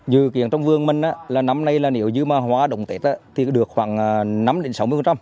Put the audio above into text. dự kiến trong vườn mình là năm nay là nếu như mà hoa động tết thì được khoảng năm đến sáu mươi